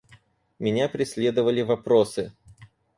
Меня преследовали вопросы.